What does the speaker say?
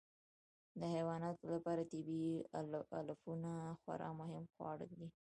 د حیواناتو لپاره طبیعي علفونه خورا مهم خواړه دي.